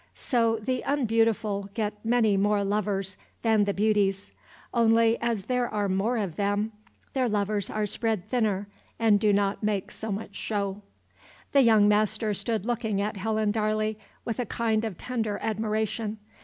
So the unbeautiful get many more lovers than the beauties; only, as there are more of them, their lovers are spread thinner and do not make so much show. The young master stood looking at Helen Darley with a kind of tender admiration.